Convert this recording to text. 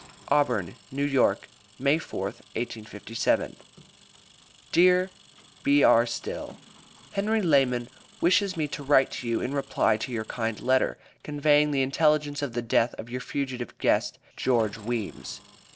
AUBURN, NEW YORK, MAY 4TH, 1857. DEAR BR. STILL: Henry Lemmon wishes me to write to you in reply to your kind letter, conveying the intelligence of the death of your fugitive guest, Geo. Weems.